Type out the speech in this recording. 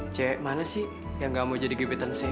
ce mana sih yang gak mau jadi gebetan saya